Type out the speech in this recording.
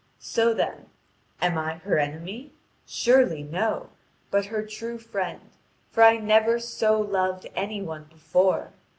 So, then, am I her enemy? Surely no, but her true friend, for I never so loved any one before.